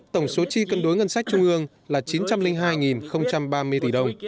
tổng số chi cân đối ngân sách trung ương là chín trăm linh hai ba mươi tỷ đồng